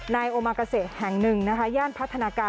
นายอมากาเสธแห่งหนึ่งย่านพัฒนาการ